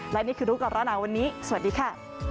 และนี่คือรู้ก่อนร้อนหนาวันนี้สวัสดีค่ะ